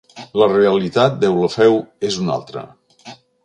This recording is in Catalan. La realitat, Deulofeu, és una altra.